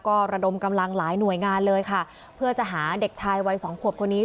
ก็ระดมกำลังหลายหน่วยงานเลยค่ะเพื่อจะหาเด็กชายวัยสองขวบคนนี้